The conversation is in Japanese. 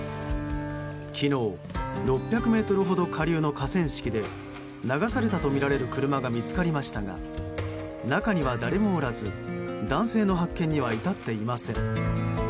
昨日、６００ｍほど下流の河川敷で流されたとみられる車が見つかりましたが中には誰もおらず男性の発見には至っていません。